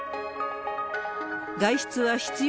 外出は必要